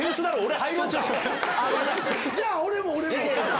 じゃあ俺も俺も！